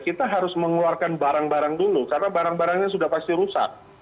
kita harus mengeluarkan barang barang dulu karena barang barangnya sudah pasti rusak